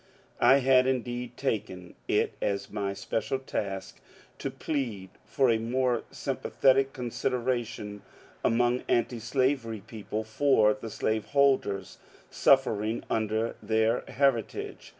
I had indeed taken it as my special task to plead for a more sympathetic consideration among antislavery people for the slaveholders suffering under their heritage.